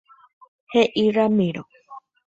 He'i Ramiro.